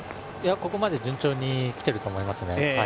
ここまで順調に来ていると思いますね。